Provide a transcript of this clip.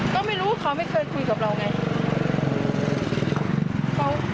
ก็ไม่รู้เขาไม่เคยคุยกับเราไง